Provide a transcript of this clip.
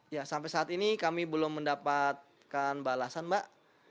ya sampai saat ini kami belum mendapatkan balasan mbak